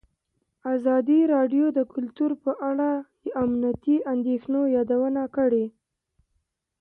ازادي راډیو د کلتور په اړه د امنیتي اندېښنو یادونه کړې.